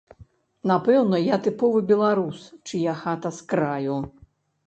Напэўна, я тыповы беларус, чыя хата з краю.